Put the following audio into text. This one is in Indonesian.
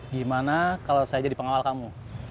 gimana kalau saya jadi pengawal kamu